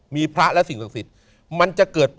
มีพระและสิ่งศักดิ์สิทธิ์